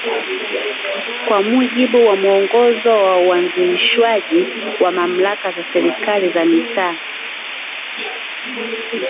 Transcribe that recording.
Kwa mujibu wa Mwongozo wa Uanzishwaji wa Mamlaka za Serikali za Mitaa